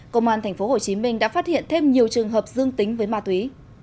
công an tp hcm đã phát hiện thêm nhiều trường hợp dương tính với ma túy